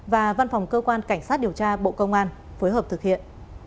và văn phòng cơ quan cảnh sát điều tra bộ công an phối hợp thực hiện